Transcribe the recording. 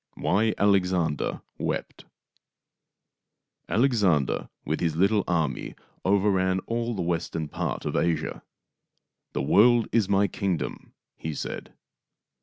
WHY ALEXANDER WEPT Alexander with his little army overran all the western part of Asia. " The world is my kingdom," he said.